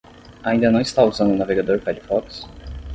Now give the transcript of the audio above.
Ainda não está usando o navegador Firefox?